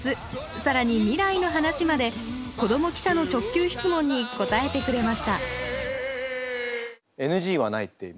更に未来の話まで子ども記者の直球質問に答えてくれましたＮＧはないって今。